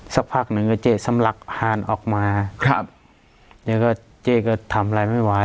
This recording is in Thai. สักพักหนึ่งก็เจ๊สำลักพานออกมาครับแล้วก็เจ๊ก็ทำอะไรไม่ไหว